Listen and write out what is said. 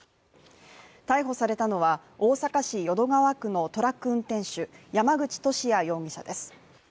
逮捕されたのは、大阪市淀川区のトラック運転手、山口利家容疑者です。